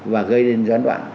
và gây đến gián đoạn